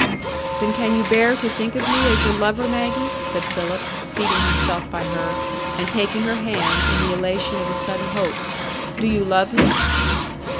"Then can you bear to think of me as your lover, Maggie?" said Philip, seating himself by her, and taking her hand, in the elation of a sudden hope. "Do you love me?"